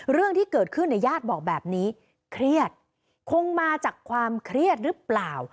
เรื่องที่เกิดขึ้นเนี่ยญาติบอกแบบนี้เครียดคงมาจากความเครียดหรือเปล่า